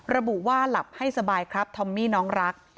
ระบุว่าหลับให้สบายครับทอมมี่น้องรัก